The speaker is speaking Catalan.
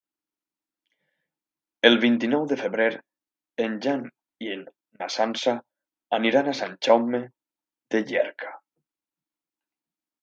El vint-i-nou de febrer en Jan i na Sança aniran a Sant Jaume de Llierca.